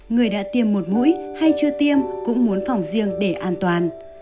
người đã tiêm một mũi hay chưa tiêm cũng muốn phòng riêng để an toàn